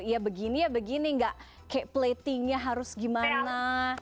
ya begini ya begini gak kayak platingnya harus gimana